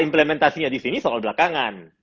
implementasinya disini soal belakangan